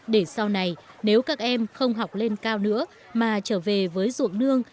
để sau này nếu các em không học lên cao nữa mà trở về với ruộng nương